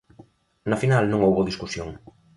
Na final non houbo discusión.